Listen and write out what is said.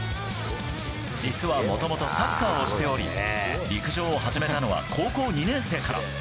実はもともとサッカーをしており陸上を始めたのは高校２年生から。